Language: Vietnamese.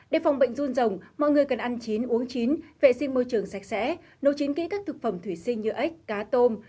để phòng bệnh run rồng mọi người cần ăn chín uống chín vệ sinh môi trường sạch sẽ nấu chín kỹ các thực phẩm thủy sinh như ếch cá tôm